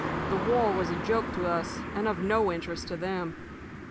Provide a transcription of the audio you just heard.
The war was a joke to us, and of no interest to them.